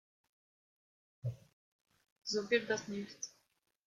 So wird das nichts.